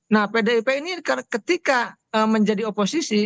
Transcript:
nah pdip ini ketika menjadi oposisi